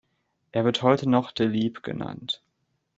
Er wird heute noch "The Leap" genannt.